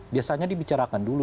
biasanya dibicarakan dulu